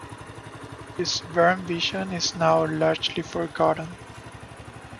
This Bern version is now largely forgotten.